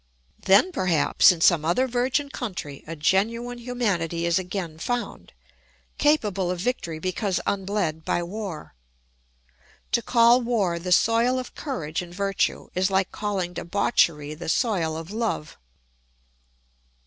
Then, perhaps, in some other virgin country a genuine humanity is again found, capable of victory because unbled by war. To call war the soil of courage and virtue is like calling debauchery the soil of love.